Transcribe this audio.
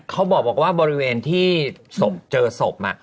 เขาบอกว่าบริเวณที่เจอศพ